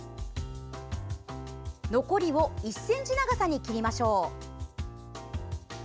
残りを１ｃｍ長さに切りましょう。